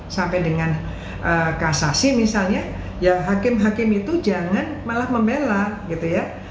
sampai dengan kasasi misalnya ya hakim hakim itu jangan malah membela gitu ya